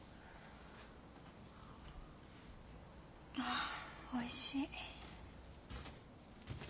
ああおいしい。